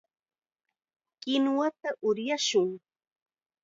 Kinuwata uryashun.